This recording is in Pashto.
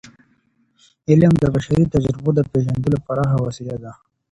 علم د بشري تجربو د پیژندلو پراخه وسیله ده.